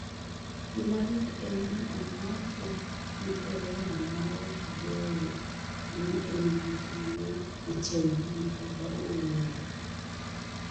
Gimalit en ni omake gi corona maokdewo ni engi tuwo hiv kata ooyo.